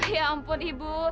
ya ampun ibu